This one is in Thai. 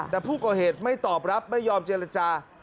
แต่ผู้ก่อเหตุไม่ตอบรับไม่ยอมเจรจา